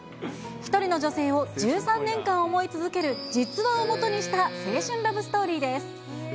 １人の女性を１３年間思い続ける、実話をもとにした青春ラブストーリーです。